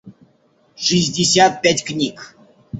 шестьдесят пять книг